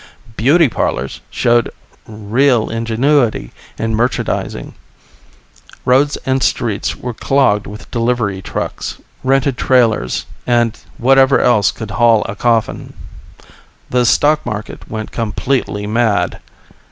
Beauty parlors showed real ingenuity in merchandising. Roads and streets clogged with delivery trucks, rented trailers, and whatever else could haul a coffin. The Stock Market went completely mad.